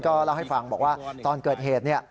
ก็เล่าให้ฟังว่าตอนเกิดเกิด